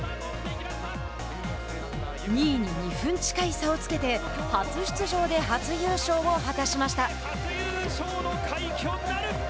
２位に２分近い差をつけて初出場で初優勝を果たしました。